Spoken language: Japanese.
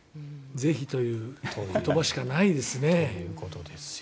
ぜひという言葉しかないですね。